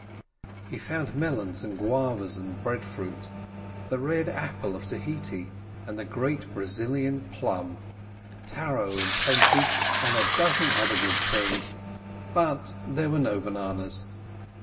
He found melons and guavas, and breadfruit, the red apple of Tahiti, and the great Brazilian plum, taro in plenty, and a dozen other good things—but there were no bananas.